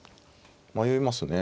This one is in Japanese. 迷いますね。